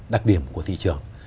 đặc điểm của thị trường